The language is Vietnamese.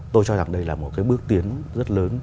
tôi cho rằng đây là một cái bước tiến rất lớn